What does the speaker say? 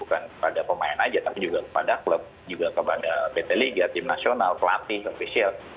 bukan kepada pemain saja tapi juga kepada klub pt liga tim nasional klub ofisial